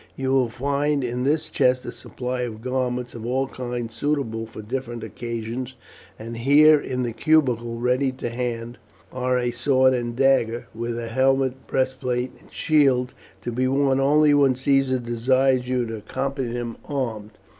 You will find in this chest a supply of garments of all kinds suitable for different occasions, and here, in the cubicule, ready to hand, are a sword and dagger, with a helmet, breastplate, and shield, to be worn only when Caesar desires you to accompany him armed.